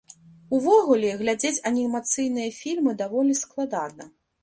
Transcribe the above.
Увогуле, глядзець анімацыйныя фільмы даволі складана.